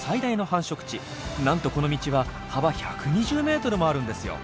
なんとこの道は幅１２０ｍもあるんですよ！